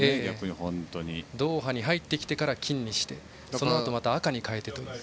ドーハに入ってきてから金にしてそのあとまた赤に変えてという。